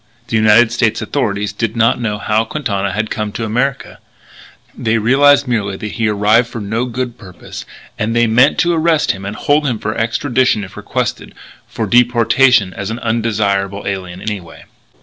The United States authorities did not know why Quintana had come to America. They realised merely that he arrived for no good purpose; and they had meant to arrest and hold him for extradition if requested; for deportation as an undesirable alien anyway.